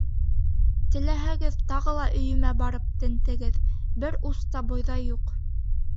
Теләһәгеҙ, тағы ла өйөмә барып тентегеҙ, бер ус та бойҙай юҡ.